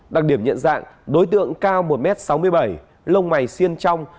đặc điểm nhận dạng đối tượng cao một m sáu mươi bảy lông mảy xiên trong